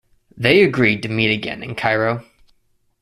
They agreed to meet again in Cairo.